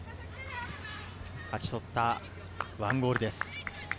勝ち取った１ゴールです。